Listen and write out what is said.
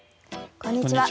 こんにちは。